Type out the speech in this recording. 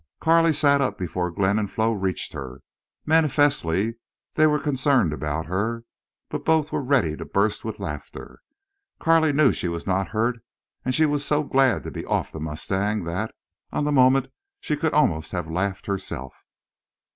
Carley sat up before Glenn and Flo reached her. Manifestly they were concerned about her, but both were ready to burst with laughter. Carley knew she was not hurt and she was so glad to be off the mustang that, on the moment, she could almost have laughed herself.